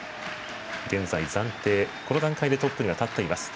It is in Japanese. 現在、暫定この段階ではトップに立っています。